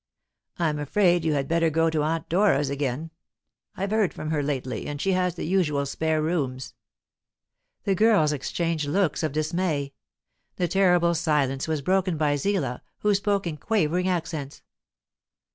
I'm afraid you had better go to Aunt Dora's again; I've heard from her lately, and she has the usual spare rooms." The girls exchanged looks of dismay. The terrible silence was broken by Zillah, who spoke in quavering accents.